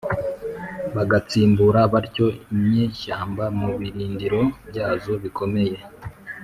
bagatsimbura batyo inyeshyamba mu birindiro byazo bikomeye.